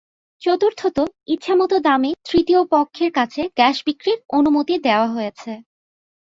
চতুর্থত, ইচ্ছামতো দামে তৃতীয় পক্ষের কাছে গ্যাস বিক্রির অনুমতি দেওয়া হয়েছে।